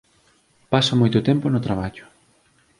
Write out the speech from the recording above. Paso moito tempo no traballo.